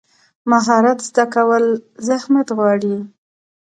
مهارت زده کول زحمت غواړي.